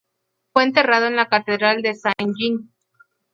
Fue enterrado en la catedral de Saint-Jean.